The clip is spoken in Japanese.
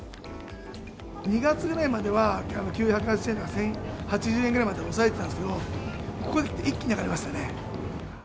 ２月ぐらいまでは９８０円とか１０８０円ぐらいまで抑えてたんですけど、ここに来て一気に上がりましたね。